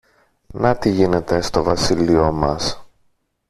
Να τι γίνεται στο βασίλειο μας!